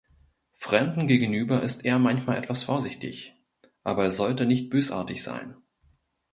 Fremden gegenüber ist er manchmal etwas vorsichtig, aber er sollte nicht bösartig sein.